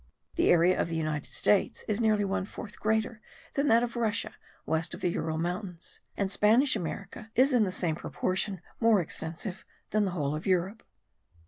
The area of the United States* is nearly one fourth greater than that of Russia west of the Ural mountains; and Spanish America is in the same proportion more extensive than the whole of Europe.